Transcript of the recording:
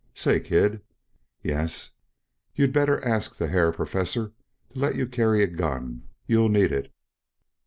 Say, kid!" "Yes." "You'd better ask the Herr Professor to let you carry a gun. You'll need it."